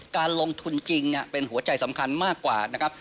การลงทุนจริงเป็นหัวใจสำคัญมากกว่านะครับ